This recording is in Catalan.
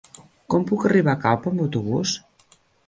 Com puc arribar a Calp amb autobús?